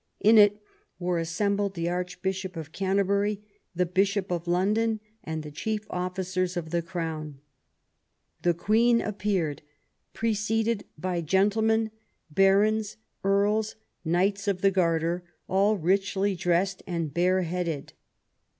In it were assembled the Archbishop of Canterbury, the Bishop of London, and the chief officers of the Crown. The Queen appeared, preceded by gentle men, barons, earls, knights of the Garter, all richly dressed and bare headed.